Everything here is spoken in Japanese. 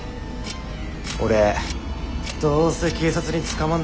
俺どうせ警察に捕まんだからさ。